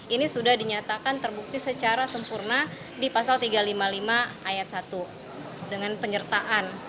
ini sudah dinyatakan terbukti secara sempurna di pasal tiga ratus lima puluh lima ayat satu dengan penyertaan